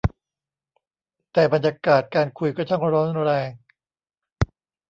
แต่บรรยากาศการคุยก็ช่างร้อนแรง